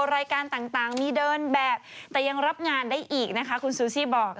รายการต่างมีเดินแบบแต่ยังรับงานได้อีกนะคะคุณซูซี่บอก